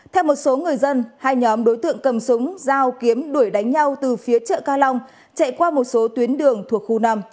theo một số người dân hai nhóm đối tượng cầm súng dao kiếm đuổi đánh nhau từ phía chợ ca long chạy qua một số tuyến đường thuộc khu năm